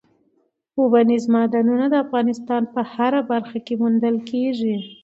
اوبزین معدنونه د افغانستان په هره برخه کې موندل کېږي.